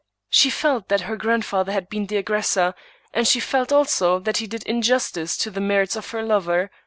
She felt that her grandfather had been the aggressor; and she felt also that he did injustice to the merits of her lover.